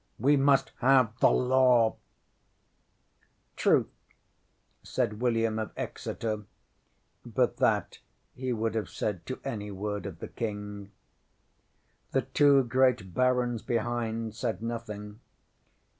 We must have the Law.ŌĆØ ŌĆśŌĆ£Truth, ŌĆØ said William of Exeter; but that he would have said to any word of the King. ŌĆśThe two great barons behind said nothing.